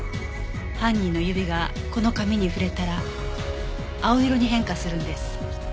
犯人の指がこの紙に触れたら青色に変化するんです。